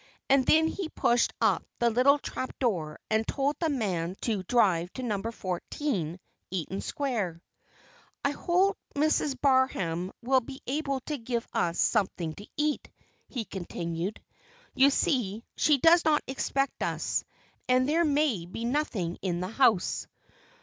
And then he pushed up the little trap door and told the man to drive to Number Fourteen, Eaton Square. "I hope Mrs. Barham will be able to give us something to eat," he continued. "You see, she does not expect us, and there may be nothing in the house."